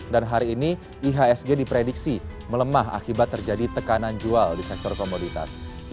dan hari ini ihsg diprediksi melemah akibat terjadi tekanan jual di sektor komoditas